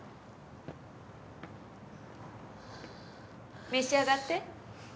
召し上がって。